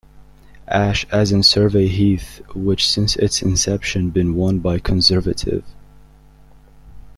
Ash is in Surrey Heath, which since its inception been won by a conservative.